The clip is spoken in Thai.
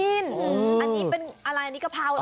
อันนี้เป็นอะไรอันนี้กะเพราเหรอ